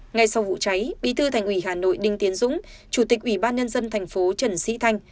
ngay sau vụ cháy bí thư thành ủy hà nội đinh tiến dũng chủ tịch ủy ban nhân dân thành phố trần sĩ thanh